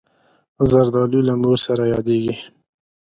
زردالو له مور سره یادېږي.